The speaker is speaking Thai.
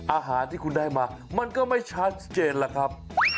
อาหารที่คุณได้มามันก็ไม่ชัดเจนล่ะครับ